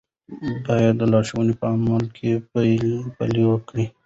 باید دا لارښوونې په عمل کې پلي کړو.